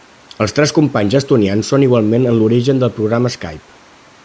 Els tres companys estonians són igualment en l'origen del programari Skype.